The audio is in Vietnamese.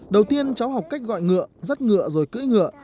đầu tiên cháu học cách gọi ngựa rất ngựa rồi cưỡi ngựa